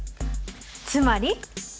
つまり！